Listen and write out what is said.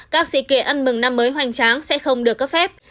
các sự kiện ăn mừng năm mới hoành tráng sẽ không được cấp phép